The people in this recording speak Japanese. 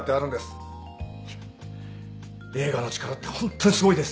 いや映画の力ってホントにすごいです。